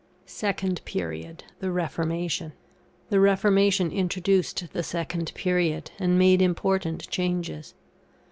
SECOND PERIOD THE REFORMATION. The Reformation introduced the second period, and made important changes.